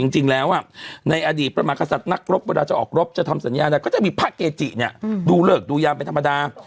จริงแล้วในอดีตพระมากษัตริย์นักรบเวลาจะออกรบจะทำสัญญาใดก็จะมีพระเกจิเนี่ยดูเลิกดูยามเป็นธรรมดา